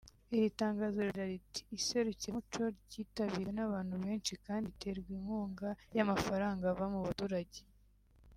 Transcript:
Iri tangazo riragira riti “Iserukiramuco ryitabiriwe n’abantu benshi kandi riterwa inkunga y’amafaranga ava mu baturage